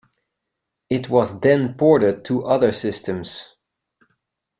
It was then ported to other systems.